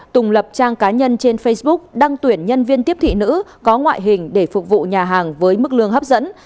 tùng lập trang cá nhân trên facebook đăng tuyển nhân viên tiếp thị nữ có ngoại hình để phục vụ nhà hàng với mức lương hấp dẫn